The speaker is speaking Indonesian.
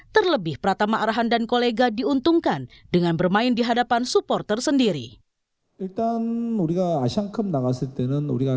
terlebih pratama arhan dan kolega diuntungkan dengan bermain di hadapan supporter sendiri